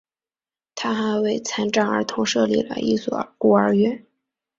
他还为残障儿童设立了一所孤儿院。